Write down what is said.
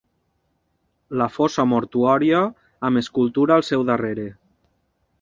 La fossa mortuòria amb escultura al seu darrere.